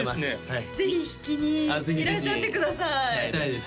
ぜひ弾きにいらっしゃってください来たいです